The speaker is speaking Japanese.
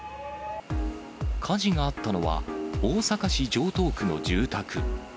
火事があったのは、大阪市城東区の住宅。